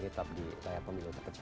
kita akan di layar pemilu terkecil